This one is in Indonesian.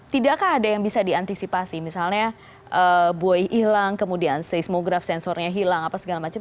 tidakkah ada yang bisa diantisipasi misalnya buoy hilang kemudian seismograf sensornya hilang apa segala macam